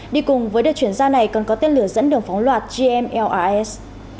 đi cùng với đợt chuyển ra này còn có tên lửa dẫn đường phóng loạt gmls